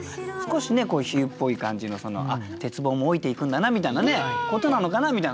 少しね比喩っぽい感じの鉄棒も老いていくんだなみたいなことなのかなみたいなね。